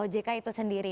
ojk itu sendiri